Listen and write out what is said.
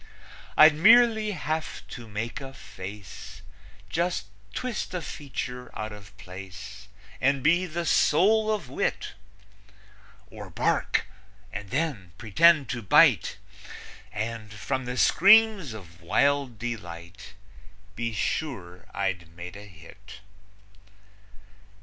I'd merely have to make a face, Just twist a feature out of place, And be the soul of wit; Or bark, and then pretend to bite, And, from the screams of wild delight, Be sure I'd made a hit.